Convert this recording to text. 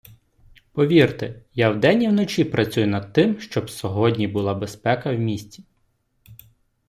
Повірте, я вдень і вночі працюю над тим, щоб сьогодні була безпека в місті.